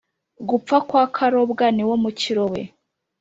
« gupfa kwa karobwa ni wo mukiro we;